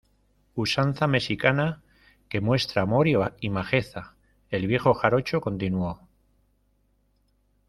usanza mexicana que muestra amor y majeza, el viejo jarocho continuó: